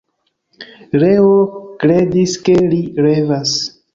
Leo kredis, ke li revas.